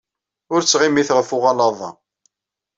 Ur ttɣimit ɣef uɣalad-a.